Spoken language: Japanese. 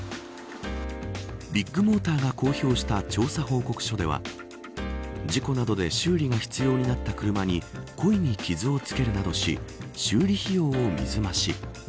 ビッグモーターが公表した調査報告書では事故などで修理が必要になった車に故意に傷を付けるなどし修理費用を水増し。